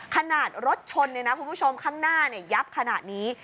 ขนาดรถชนเนี่ยนะคุณผู้ชมข้างหน้ายับขนาดนี้